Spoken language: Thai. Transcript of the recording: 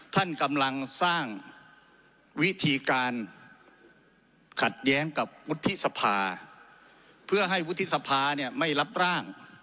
ท่านกำลังสร้างวิธีการขัดแย้งกับวุฒิสภาเพื่อให้วุฒิสภาเนี่ยไม่รับร่าง